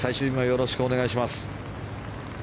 よろしくお願いします。